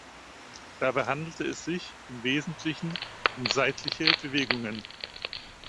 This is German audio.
Dabei handelte es sich im Wesentlichen um seitliche Bewegungen.